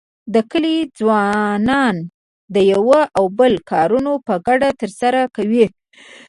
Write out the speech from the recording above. د کلي ځوانان د یو او بل کارونه په ګډه تر سره کوي.